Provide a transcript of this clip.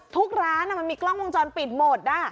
ทุกร้านมันมีกล้องวงจรปิดหมด